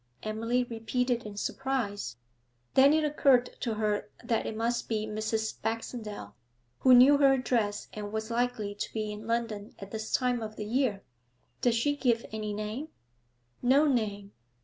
Emily repeated in surprise. Then it occurred to her that it must be Mrs. Baxendale, who knew her address and was likely to be in London at this time of the year. 'Does she give any name?' No name.